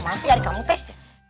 nanti dari kamu tes